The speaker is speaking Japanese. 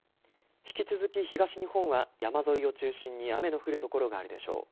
引き続き東日本は山沿いを中心に雨の降る所があるでしょう。